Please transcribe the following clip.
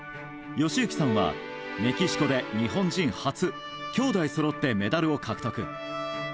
義行さんは、メキシコで日本人初兄弟そろってメダルを獲得。